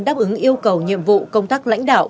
đáp ứng yêu cầu nhiệm vụ công tác lãnh đạo